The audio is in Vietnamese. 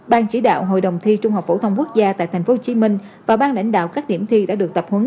ban chỉ đạo hội đồng thi trung học phổ thông quốc gia tại tp hcm và ban lãnh đạo các điểm thi đã được tập huấn